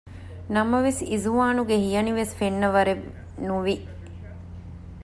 ނަމަވެސް އިޒުވާނުގެ ހިޔަނިވެސް ފެންނަވަރެއް ނުވި